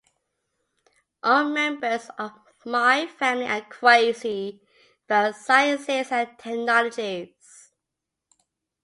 All members of my family are crazy about Sciences and Technologies.